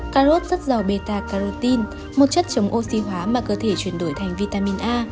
cà rốt rất giàu beta carotene một chất chống oxy hóa mà cơ thể chuyển đổi thành vitamin a